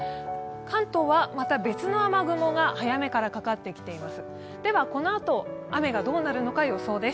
関東は、また別の雨雲が早めからかかってきています。